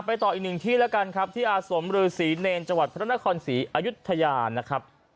ต่ออีกหนึ่งที่แล้วกันครับที่อาสมรือศรีเนรจังหวัดพระนครศรีอายุทยานะครับ